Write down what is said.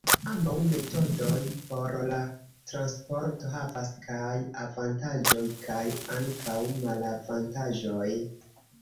Ambaŭ metodoj por la transporto havas kaj avantaĝoj kaj ankaŭ malavantaĝoj.